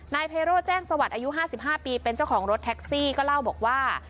ไพโร่แจ้งสวัสดิ์อายุ๕๕ปีเป็นเจ้าของรถแท็กซี่ก็เล่าบอกว่า